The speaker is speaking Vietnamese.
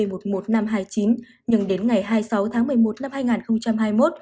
b một một năm trăm hai mươi chín nhưng đến ngày hai mươi sáu tháng một mươi một năm hai nghìn hai mươi một